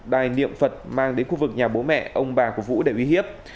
bài niệm phật mang đến khu vực nhà bố mẹ ông bà của vũ để uy hiếp